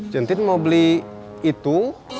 centin mau beli itu